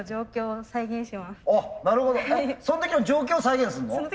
その時の状況を再現するの？